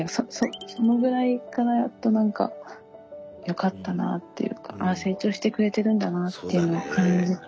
そのぐらいからやっと何かよかったなというかああ成長してくれてるんだなっていうのを感じて。